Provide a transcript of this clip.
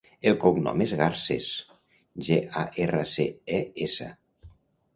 El cognom és Garces: ge, a, erra, ce, e, essa.